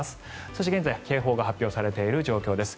そして現在警報が発表されている状況です。